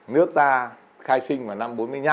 nước ta khai sinh vào năm bốn mươi năm